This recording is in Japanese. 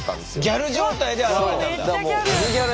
ギャル状態で現れたんだ。